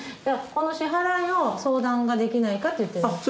この支払いを相談ができないかと言ってるんです